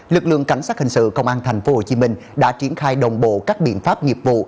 lực lượng cảnh sát hình sự công an tp hcm đã triển khai đồng bộ các biện pháp nghiệp vụ